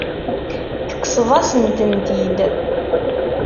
Tekkseḍ-asent-tent-id.